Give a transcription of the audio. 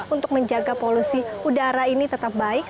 untuk menjaga polusi udara ini tetap baik